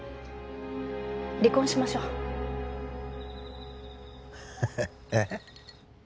離婚しましょうええ？